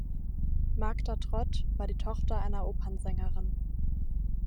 Magda Trott war die Tochter einer Opernsängerin.